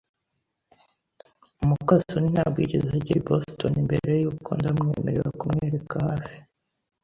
muka soni ntabwo yigeze agera i Boston mbere, nuko ndamwemerera kumwereka hafi.